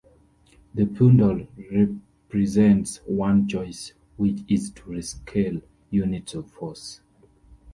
The poundal represents one choice, which is to rescale units of force.